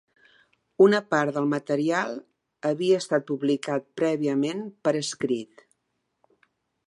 Una part del material havia estat publicat prèviament per escrit.